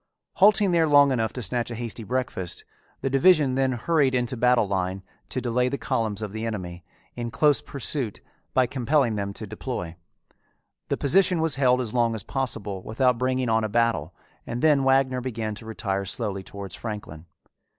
Halting there long enough to snatch a hasty breakfast, the division then hurried into battle line to delay the columns of the enemy, in close pursuit, by compelling them to deploy. The position was held as long as possible without bringing on a battle and then Wagner began to retire slowly towards Franklin.